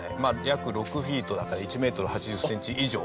約６フィートだから１ｍ８０ｃｍ以上。